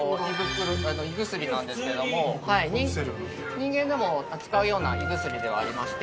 人間でも使うような胃薬ではありまして。